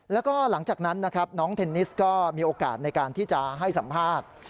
แล้วก็หลังจากนั้นนะครับน้องเทนนิสก็มีโอกาสในการที่จะให้สัมภาษณ์